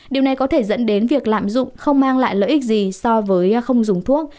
điều này có thể dẫn đến việc lạm dụng không mang lại lợi ích gì so với không dùng thuốc